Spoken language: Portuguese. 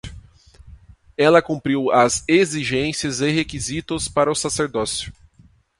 Ela cumpriu as exigências e requisitos para o sacerdócio